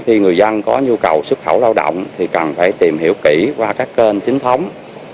khi người dân có nhu cầu xuất khẩu lao động thì cần phải tìm hiểu kỹ qua các kênh chính thống